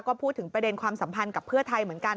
ก็พูดถึงประเด็นความสัมพันธ์กับเพื่อไทยเหมือนกัน